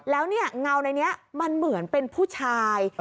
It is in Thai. แล้วเนี่ยเงาในนี้มันเหมือนเป็นผู้ชาย